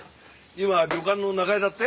今は旅館の仲居だって？